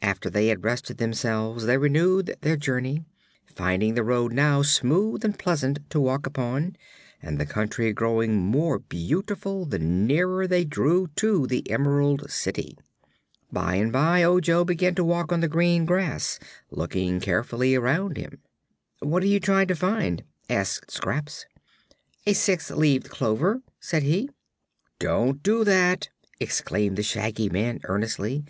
After they had rested themselves they renewed their journey, finding the road now smooth and pleasant to walk upon and the country growing more beautiful the nearer they drew to the Emerald City. By and by Ojo began to walk on the green grass, looking carefully around him. "What are you trying to find?" asked Scraps. "A six leaved clover," said he. "Don't do that!" exclaimed the Shaggy Man, earnestly.